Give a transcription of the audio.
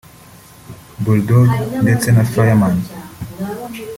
Bull Dog ndetse na Fireman